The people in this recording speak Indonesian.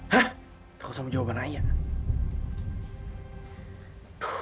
hah kok sama jawaban ayah